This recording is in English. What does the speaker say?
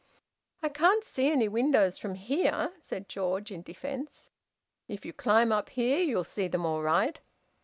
"I can't see any windows from here," said George, in defence. "If you climb up here you'll see them all right."